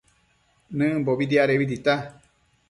Nëmbobi diadebi tita